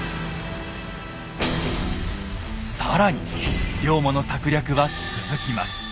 更に龍馬の策略は続きます。